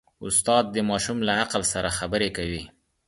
استاد د ماشوم له عقل سره خبرې کوي.